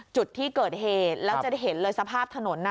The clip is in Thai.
จุดที่เกิดเหตุแล้วจะเห็นเลยสภาพถนน